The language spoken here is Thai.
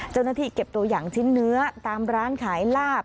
เจ้าหน้าที่เก็บตัวอย่างชิ้นเนื้อตามร้านขายลาบ